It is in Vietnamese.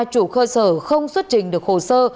chủ cơ sở không xuất trình được hồ sơ